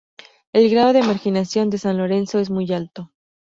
El grado de marginación de San Lorenzo es Muy alto.